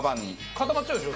固まっちゃうでしょ。